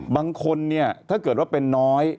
บางคนถ้าเกิดว่าเป็นน้อย